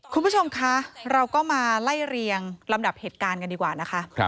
คุณผู้ชมคะเราก็มาไล่เรียงลำดับเหตุการณ์กันดีกว่านะคะ